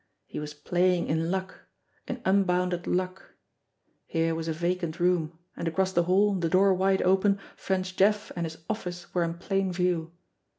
He was playing in luck, in unbounded luck ! Here was a vacant room, and across the hall, the door wide open, French Jeff and his "office" were in plain view.